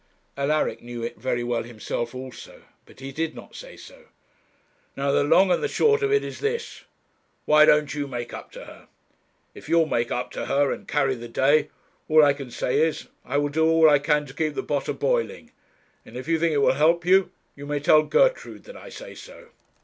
Alaric knew it very well himself also; but he did not say so. 'Now, the long and the short of it is this why don't you make up to her? If you'll make up to her and carry the day, all I can say is, I will do all I can to keep the pot a boiling; and if you think it will help you, you may tell Gertrude that I say so.'